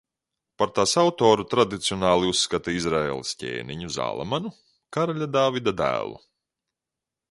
Par tās autoru tradicionāli uzskata Izraēlas ķēniņu Zālamanu, karaļa Dāvida dēlu.